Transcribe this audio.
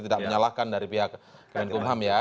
tidak menyalahkan dari pihak kementerian keumahan ya